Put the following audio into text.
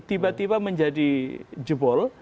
tiba tiba menjadi jebol